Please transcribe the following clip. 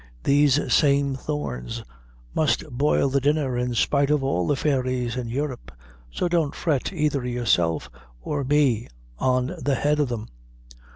These same thorns must boil the dinner in spite of all the fairies in Europe; so don't fret either yourself or me on the head o' them."